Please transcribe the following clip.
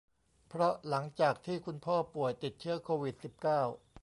เพราะหลังจากที่คุณพ่อป่วยติดเชื้อโควิด สิบเก้า